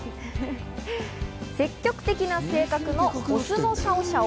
積極的な性格のオスのシャオシャオ。